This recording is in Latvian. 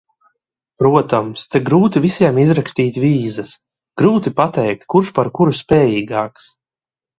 Protams, te grūti visiem izrakstīt vīzas, grūti pateikt, kurš par kuru spējīgāks.